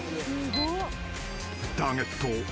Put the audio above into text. ［ターゲット。